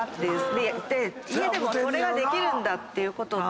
で家でもそれができるんだっていうことと。